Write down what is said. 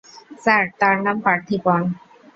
Sir, তার নাম পার্থিপন।